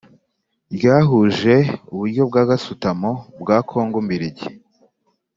ryahuje uburyo bwa gasutamo bwa Kongo mbirigi